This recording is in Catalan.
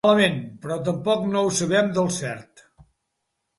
Malament, però tampoc no ho sabem del cert.